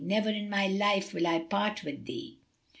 Never in my life will I part with thee!